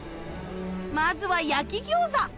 まずは焼き餃子